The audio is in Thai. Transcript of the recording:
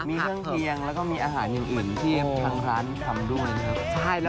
มีเครื่องเคียงแล้วก็มีอาหารอื่นที่ทางร้านทำด้วยนะครับ